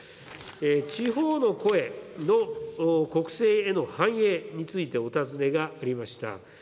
地方の声の国政への反映についてお尋ねがありました。